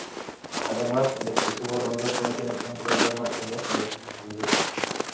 Además, el excesivo ruido puede ser un problema en esta industria.